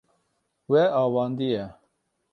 We avandiye.